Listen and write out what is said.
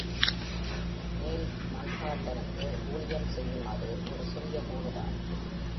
மேல் மன்ஹாட்டனுக்கு ஊழியம் செய்யும் அது, ஒரு சிறிய கோடு தான்.